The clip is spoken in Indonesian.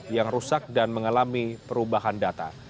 yang rusak dan mengalami perubahan data